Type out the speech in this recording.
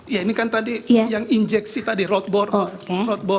ya ini kan tadi yang injeksi tadi roadboard